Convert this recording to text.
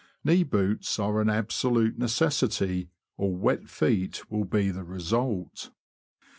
Knee boots are an absolute necessity, or wet feet will be the result.